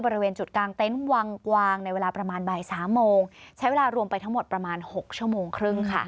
บริเวณจุดกลางเต็นต์วังกวางในเวลาประมาณบ่ายสามโมงใช้เวลารวมไปทั้งหมดประมาณ๖ชั่วโมงครึ่งค่ะ